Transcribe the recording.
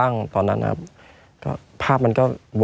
ไม่มีครับไม่มีครับ